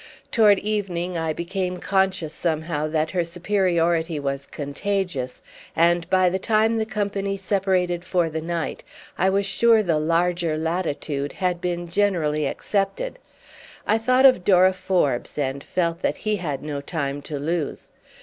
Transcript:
Toward evening I became conscious somehow that her superiority was contagious, and by the time the company separated for the night I was sure the larger latitude had been generally accepted. I thought of Dora Forbes and felt that he had no time to lose.